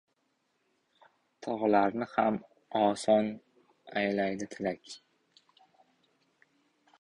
Tog‘larni ham oson aylaydi tilka.